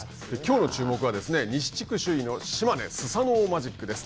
きょうの注目はですね、西地区首位の島根スサノオマジックです。